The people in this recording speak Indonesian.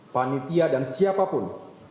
panitia dan siapapun